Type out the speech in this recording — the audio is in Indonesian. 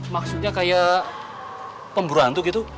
maksudnya kayak pemburu hantu gitu